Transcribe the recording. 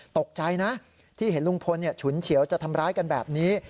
ตกใจนะที่เห็นลุงพลฉุนเฉียวจะทำร้ายกันแบบนี้